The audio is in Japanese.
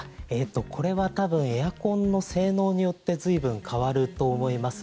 これは多分エアコンの性能によって随分変わると思います。